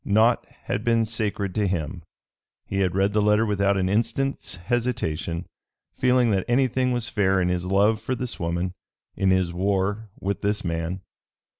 Naught had been sacred to him. He had read the letter without an instant's hesitation, feeling that anything was fair in his love for this woman, in his war with this man.